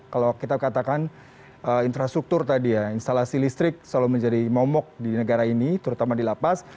kalau kita katakan infrastruktur tadi ya instalasi listrik selalu menjadi momok di negara ini terutama di lapas